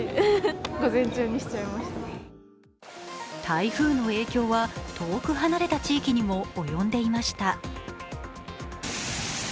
台風の影響は遠く離れた地域にも及んでいました。